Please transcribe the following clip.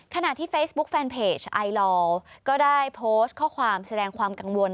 ขณะที่เฟซบุ๊คแฟนเพจไอลอร์ก็ได้โพสต์ข้อความแสดงความกังวล